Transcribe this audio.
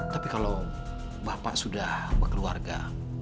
tapi kalau bapak sudah berkeluarga